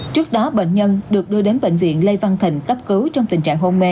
trước đó bệnh nhân được đưa đến bệnh viện lê văn thịnh cấp cứu trong tình trạng hôn mê